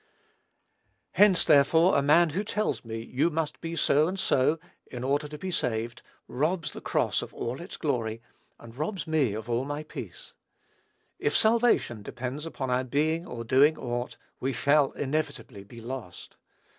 Hence, therefore, a man who tells me, "You must be so and so, in order to be saved," robs the cross of all its glory, and robs me of all my peace. If salvation depends upon our being or doing aught, we shall inevitably be lost.